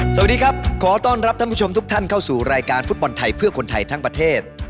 สวัสดีครับขอต้อนรับท่านผู้ชมทุกท่านเข้าสู่รายการฟุตบอลไทยเพื่อคนไทยทั้งประเทศ